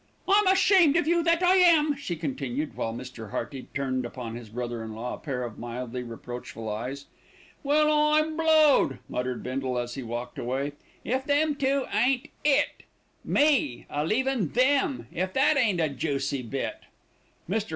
"I'm ashamed of you, that I am," she continued, while Mr. Hearty turned upon his brother in law a pair of mildly reproachful eyes. "Well, I'm blowed," muttered Bindle as he walked away. "If them two ain't IT. Me a leavin' them. If that ain't a juicy bit." Mr.